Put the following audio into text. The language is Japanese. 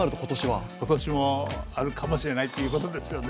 今年もあるかもしれないということですよね